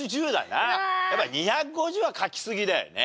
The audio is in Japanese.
やっぱ２５０は書きすぎだよね。